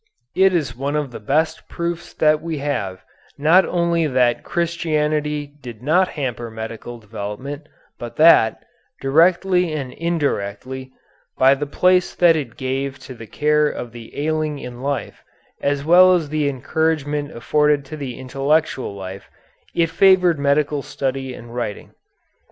It is one of the best proofs that we have not only that Christianity did not hamper medical development, but that, directly and indirectly, by the place that it gave to the care of the ailing in life as well as the encouragement afforded to the intellectual life, it favored medical study and writing.